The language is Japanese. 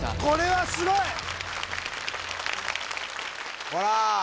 これはすごい！